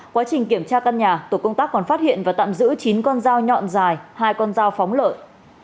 quá trình kiểm tra căn nhà tổ công tác còn phát hiện và tạm giữ chín con dao nhọn dài hai con dao phóng lợn